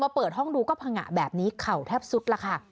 มาเปิดห้องดูก็ผ้างะแบบนี้เข่าเร็วทับสุด